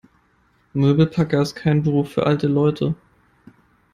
Möbelpacker ist kein Beruf für alte Leute.